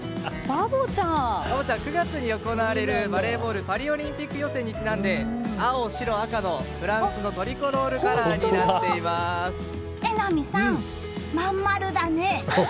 バボちゃん、９月に行われるバレーボールパリオリンピック予選にちなみ青、白、赤のフランスのトリコロールカラーに榎並さん、まん丸だね。